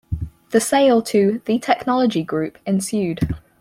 The sale to The Technology Group ensued.